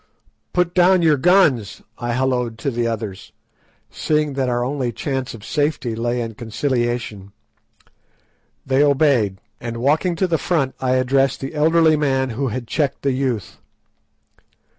"Put down your guns!" I halloed to the others, seeing that our only chance of safety lay in conciliation. They obeyed, and walking to the front I addressed the elderly man who had checked the youth.